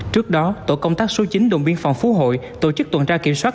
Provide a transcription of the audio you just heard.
trước đó tổ công tác số chín đồn biên phòng phú hội tổ chức tuần tra kiểm soát